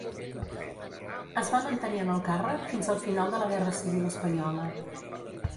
Es va mantenir en el càrrec fins al final de la guerra civil espanyola.